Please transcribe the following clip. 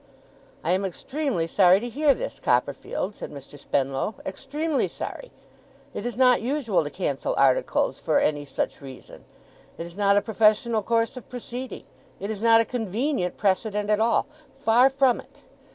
'I am extremely sorry to hear this, Copperfield,' said Mr. Spenlow. 'Extremely sorry. It is not usual to cancel articles for any such reason. It is not a professional course of proceeding. It is not a convenient precedent at all. Far from it.